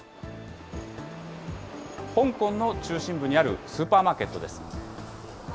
香港の中心部にあるスーパーマーケットです。